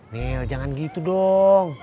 mil jangan gitu dong